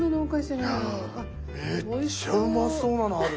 めっちゃうまそうなのある！